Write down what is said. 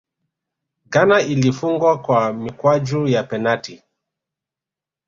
ghana ilifungwa kwa mikwaju ya penati